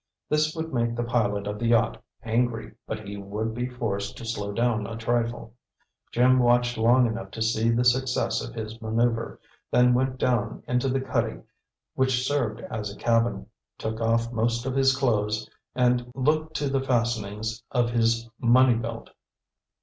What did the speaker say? This would make the pilot of the yacht angry, but he would be forced to slow down a trifle. Jim watched long enough to see the success of his manoeuver, then went down into the cuddy which served as a cabin, took off most of his clothes, and looked to the fastenings of his money belt.